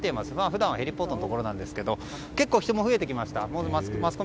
普段はヘリポートのところなんですけど結構、人も増えてきました。